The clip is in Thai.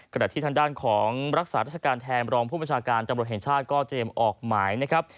กระดาษที่ทางด้านของรักษารักษาการแทนรองผู้ประชาการรายการเเตอร์ภัยเท่าก็เตรียมออกหมายนะครับ